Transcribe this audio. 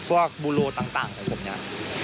เพราะว่าบูโลต่างของผมเนี่ย